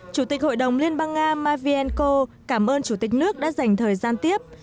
chủ tịch hội đồng liên bang nga matt vienco cảm ơn chủ tịch nước đã dành thời gian tiếp